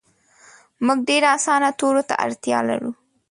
مونږ ډیر اسانه تورو ته اړتیا لرو